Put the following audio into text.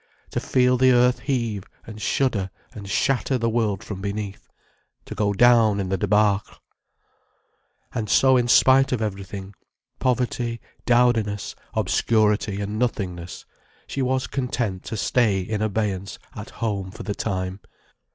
To feel the earth heave and shudder and shatter the world from beneath. To go down in the débâcle. And so, in spite of everything, poverty, dowdiness, obscurity, and nothingness, she was content to stay in abeyance at home for the time.